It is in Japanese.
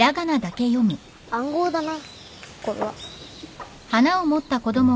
暗号だなこれは。